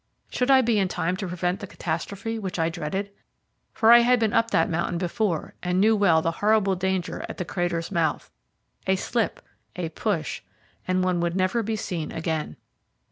Should I be in time to prevent the catastrophe which I dreaded? For I had been up that mountain before, and knew well the horrible danger at the crater's mouth a slip, a push, and one would never be seen again.